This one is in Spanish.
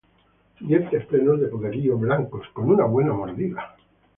Dientes plenos de poderío, blancos con una buena mordida.